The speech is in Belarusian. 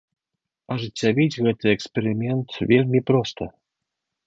Ажыццявіць гэты эксперымент вельмі проста.